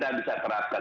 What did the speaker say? yang bisa kita terapkan